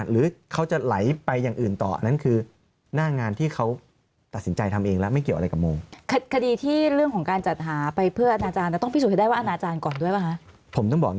หือเขาจะไหลไปอย่างอื่นต่อ